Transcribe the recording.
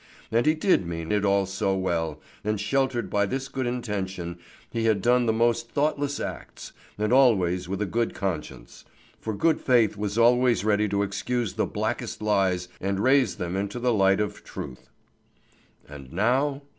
And he did mean it all so well, and sheltered by this good intention, he had done the most thoughtless acts, and always with a good conscience; for good faith was always ready to excuse the blackest lies and raise them into the light of truth. And now?